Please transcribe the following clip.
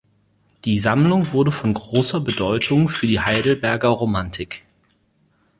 Die Sammlung wurde von großer Bedeutung für die Heidelberger Romantik.